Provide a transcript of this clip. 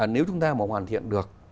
nếu chúng ta mà hoàn thiện được